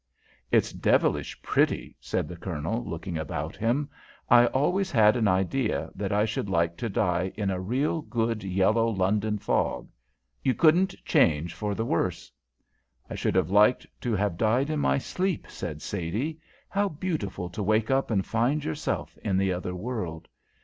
"It's devilish pretty," said the Colonel, looking about him. "I always had an idea that I should like to die in a real, good, yellow London fog. You couldn't change for the worse." "I should have liked to have died in my sleep," said Sadie. "How beautiful to wake up and find yourself in the other world!